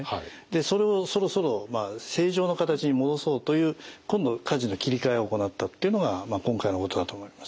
それをそろそろ正常の形に戻そうという今度かじの切り替えを行ったっていうのが今回のことだと思います。